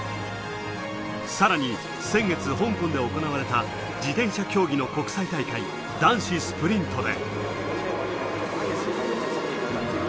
さらに先月、香港で行われた自転車競技の国際大会、男子スプリントで。